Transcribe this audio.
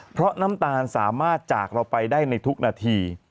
เพราะน้ำตาลสามารถจากเราไปได้ในทุกนาที